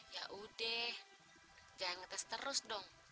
ya udah jangan ngetes terus dong